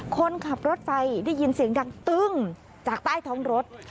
คนขับรถไฟได้ยินเสียงดังตึ้งจากใต้ท้องรถ